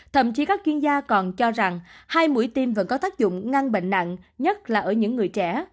thậm chí các chuyên gia còn cho rằng hai mũi tim vẫn có tác dụng ngăn bệnh nặng nhất là ở những người trẻ